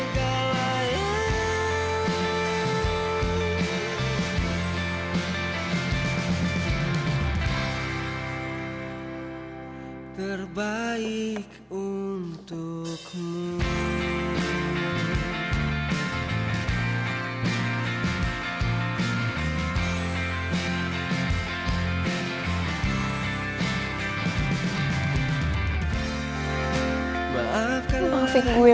karena ku tak sempurna